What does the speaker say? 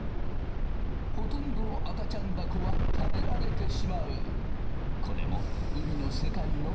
ほとんどの赤ちゃんだこは食べられてしまう。